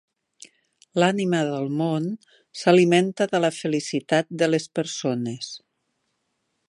L'Ànima del món s'alimenta de la felicitat de les persones.